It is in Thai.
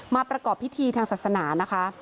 ประกอบพิธีทางศาสนานะคะ